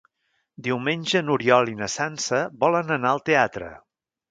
Diumenge n'Oriol i na Sança volen anar al teatre.